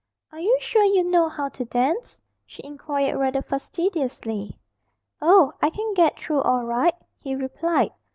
'Are you sure you know how to dance?' she inquired rather fastidiously. 'Oh, I can get through all right,' he replied.